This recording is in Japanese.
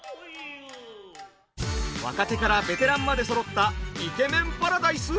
若手からベテランまでそろったイケメンパラダイス！？